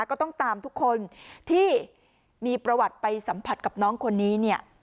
ก็ต้องตามทุกคนที่มีประวัติไปสัมผัสกับน้องคนนี้เนี่ย